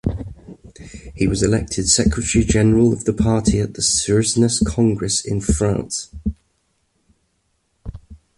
He was elected Secretary General of the Party at the Suresnes Congress, in France.